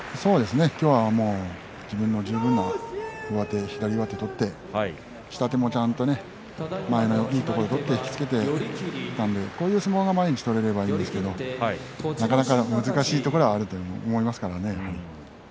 今日は自分十分な左上手を取って下手もちゃんと前のいいところを取って引き付けていましたのでこういう相撲が毎日取れればいいんですがなかなか難しいところがあると思いますからね。